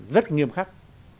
rất nghiêm khắc